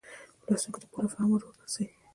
د لوستونکو د پوره فهم وړ وګرځي.